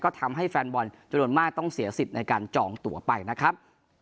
ก็ทำให้แฟนบอลจำนวนมากต้องเสียสิทธิ์ในการจองตัวไปนะครับ